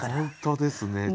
本当ですね。